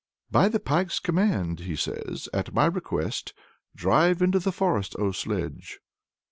"By the Pike's command," he says, "at my request, drive, into the forest, O sledge!"